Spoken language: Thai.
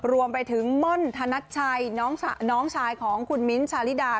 รวมไปถึงม่อนธนัชชัยน้องชายของคุณมิ้นท์ชาลิดา